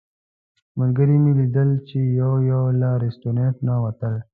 ملګري مې لیدل چې یو یو له رسټورانټ نه ووتل.